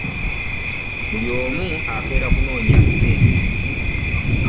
Buli omu akeera kunoonya sente .